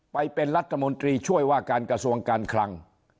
ไปเป็นรัฐมนตรีช่วยว่าการกระทรวงการคลัง